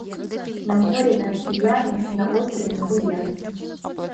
На море, на окияне, на острове на Буяне.